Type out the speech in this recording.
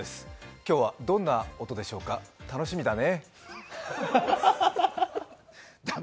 今日はどんな音でしょうか、楽しみだね。